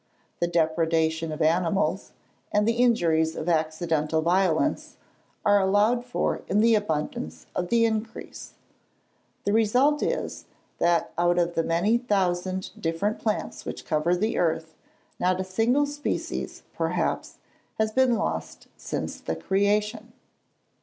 The depredation of animals, and the injuries of accidental violence, are allowed for in the abundance of the increase. The result is, that out of the many thousand different plants which cover the earth, not a single species, perhaps, has been lost since the creation.